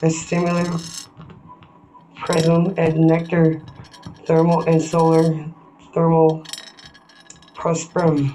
This is similar in principle to nuclear thermal and solar thermal propulsion.